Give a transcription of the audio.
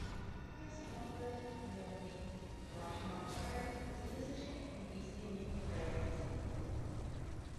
His father Nilmony Brahmachari was a physician in East Indian Railways.